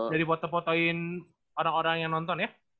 dari foto fotoin orang orang yang nonton ya